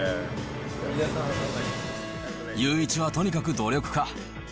祐一は、とにかく努力家。